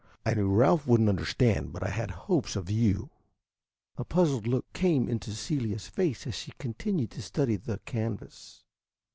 I knew Ralph would n't understand, but I had hopes of you." A puzzled look came into Celia's face as she continued to study the canvas.